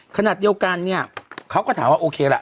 ขณะเดียวกันเนี่ยเขาก็ถามว่าโอเคล่ะ